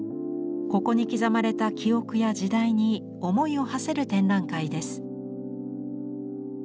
ここに刻まれた記憶や時代に思いをはせる展覧会です。